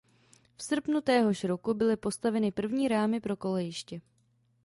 V srpnu téhož roku byly postaveny první rámy pro kolejiště.